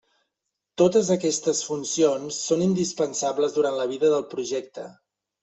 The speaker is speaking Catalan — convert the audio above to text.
Totes aquestes funcions són indispensables durant la vida del projecte.